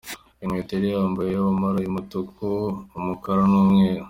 Inkweto yari yambaye y'abamara y'umutuku, umukara n'umweru.